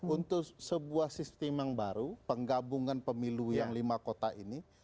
untuk sebuah sistem yang baru penggabungan pemilu yang lima kota ini